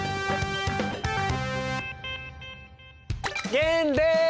玄です。